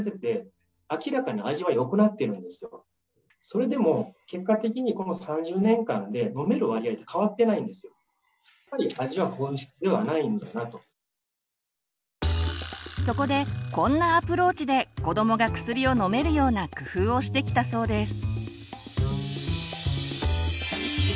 それでも結果的にこの３０年間でそこでこんなアプローチで子どもが薬を飲めるような工夫をしてきたそうです。